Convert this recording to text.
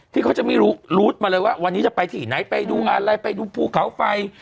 ที่เขาจะไม่รู้รูดมาเลยว่าวันนี้จะไปที่ไหนไปดูอะไรไปดูภูเขาไฟ